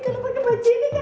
kalau pakai baju ini kan